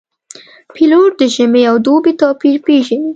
پیلوټ د ژمي او دوبي توپیر پېژني.